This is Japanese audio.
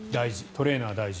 トレーナー大事。